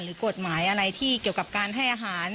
กฎหมายอะไรที่เกี่ยวกับการให้อาหาร